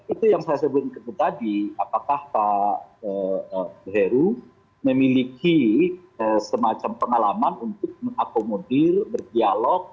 itu yang saya sebut tadi apakah pak heru memiliki semacam pengalaman untuk mengakomodir berdialog